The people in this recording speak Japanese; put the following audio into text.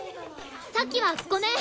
さっきはごめん！